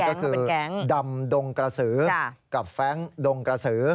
นั่นก็คือดำดงกระสือกับแฟรงค์ดงกระสือ